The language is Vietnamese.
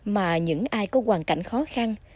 mà những ai có hoàn cảnh khó khăn